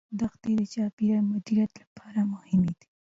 دښتې د چاپیریال مدیریت لپاره مهمې دي.